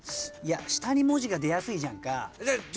下に文字が出やすいじゃんか。